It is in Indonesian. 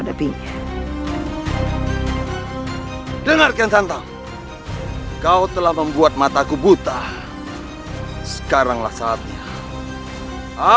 saat ini aku tidak benar benar lupa